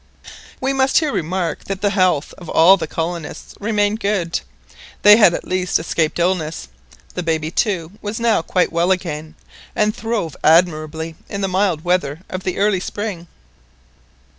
We must here remark, that the health of all the colonists remained good, they had at least escaped illness; the baby, too, was now quite well again, and throve admirably in the mild weather of the early spring.